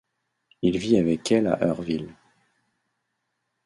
Il vit avec elle à Eurville.